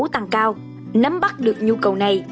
tăng cao nắm bắt được nhu cầu này